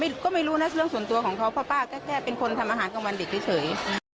ไม่มีค่ะก็ไม่รู้นะเรื่องส่วนตัวของพ่อป้าแค่เป็นคนทำอาหารของวันเด็ดเฉย